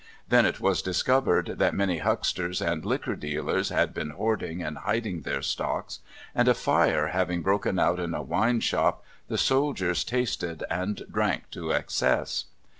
Then it was discovered that many hucksters and liquor dealers had been hoarding and hiding their stocks, and a fire having broken out in a wine shop, the soldiers tasted and drank to excess.